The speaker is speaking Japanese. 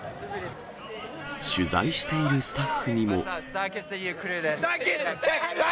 取材しているスタッフにも。